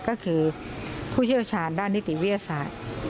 ก็คือผู้เชี่ยวชาญด้านนิติเวียดสาย